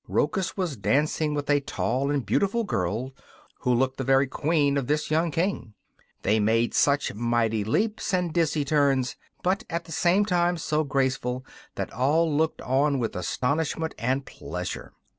Rochus was dancing with a tall and beautiful girl, who looked the very queen of this young king. They made such mighty leaps and dizzy turns, but at the same time so graceful, that all looked on with astonishment and pleasure.